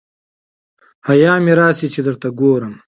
حیا مي راسي چي درته ګورم